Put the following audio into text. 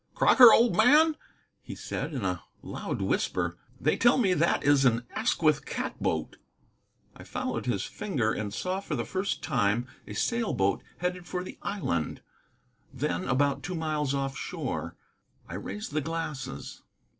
"Crocker, old man," he said in a loud whisper, "they tell me that is an Asquith cat boat." I followed his finger and saw for the first time a sail boat headed for the island, then about two miles off shore. I raised the glasses.